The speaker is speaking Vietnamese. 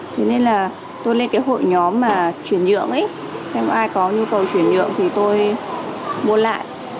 thế nên là tôi lên cái hội nhóm mà chuyển nhượng ấy xem ai có nhu cầu chuyển nhượng thì tôi mua lại